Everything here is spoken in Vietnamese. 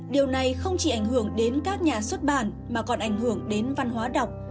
điều này không chỉ ảnh hưởng đến các nhà xuất bản mà còn ảnh hưởng đến văn hóa đọc